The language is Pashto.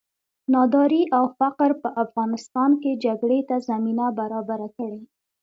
ناداري او فقر په افغانستان کې جګړې ته زمینه برابره کړې.